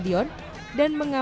tidak ada yang menanggung